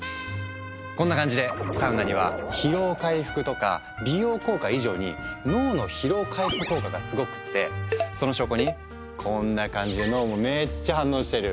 こんな感じでサウナには疲労回復とか美容効果以上に脳の疲労回復効果がすごくってその証拠にこんな感じで脳もめっちゃ反応してる。